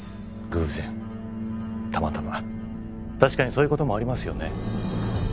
偶然たまたま確かにそういうこともありますよね